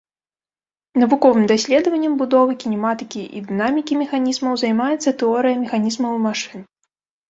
Навуковым даследаваннем будовы, кінематыкі і дынамікі механізмаў займаецца тэорыя механізмаў і машын.